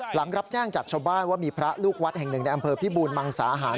หลังรับแจ้งจากชาวบ้านว่ามีพระลูกวัดแห่งหนึ่งในอำเภอพิบูรมังสาหาร